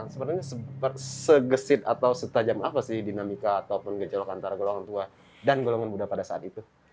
sebenarnya segesit atau setajam apa sih dinamika ataupun gejolak antara golongan tua dan golongan muda pada saat itu